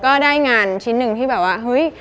ก็ได้งานชิ้นนงที่แบบว่า